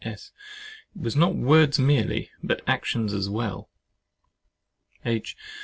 S. It was not words merely, but actions as well. H.